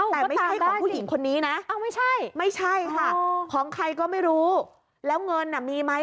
แต่ไม่ใช่ของผู้หญิงคนนี้นะไม่ใช่ไม่ใช่ค่ะของใครก็ไม่รู้แล้วเงินมีไหม